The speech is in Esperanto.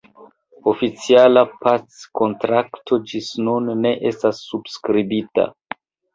Oficiala packontrakto ĝis nun ne estas subskribita.